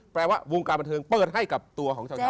แปลว่าวงการบันเทิงเปิดให้กับตัวของชาวไทย